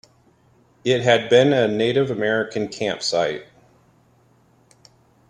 It had been a Native American camp site.